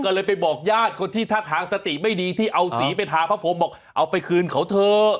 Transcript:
ก็เลยไปบอกญาติคนที่ท่าทางสติไม่ดีที่เอาสีไปทาพระพรมบอกเอาไปคืนเขาเถอะ